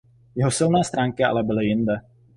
Jeho silné stránky ale byly jinde.